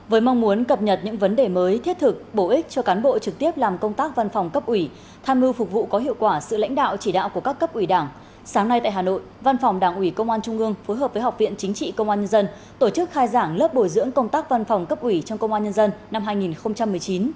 với mong muốn cập nhật những vấn đề mới thiết thực bổ ích cho cán bộ trực tiếp làm công tác văn phòng cấp ủy tham mưu phục vụ có hiệu quả sự lãnh đạo chỉ đạo của các cấp ủy đảng sáng nay tại hà nội văn phòng đảng ủy công an trung ương phối hợp với học viện chính trị công an nhân dân tổ chức khai giảng lớp bồi dưỡng công tác văn phòng cấp ủy trong công an nhân dân năm hai nghìn một mươi chín